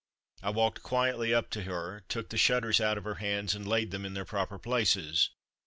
I walked quietly up to her, took the shutters out of her hands and laid them in their proper places.